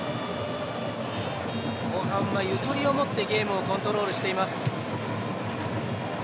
後半は、ゆとりを持ってゲームをコントロールしています。